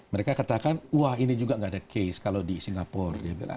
mereka katakan wah ini juga nggak ada case kalau di singapura